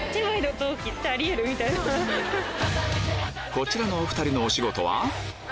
こちらのお２人のお仕事は？